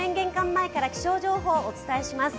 前から気象情報、お伝えします。